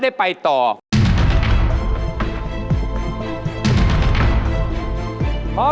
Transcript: กลับไปก่อนเลยนะครับ